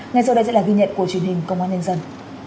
ngay sau đây sẽ là ghi nhận của truyền hình công an nhân dân